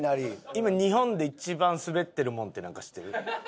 今日本で一番スベってるもんってなんか知ってる？